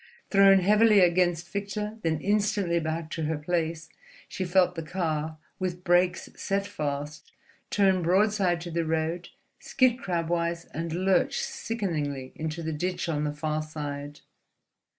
Thrown heavily against Victor, then instantly back to her place, she felt the car, with brakes set fast, turn broadside to the road, skid crabwise, and lurch sickeningly into the ditch on the farther side.